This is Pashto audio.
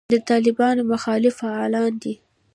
د طالبانو مخالف فعالان دي.